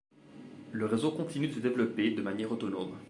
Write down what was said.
Le réseau continue de se développer de manière autonome.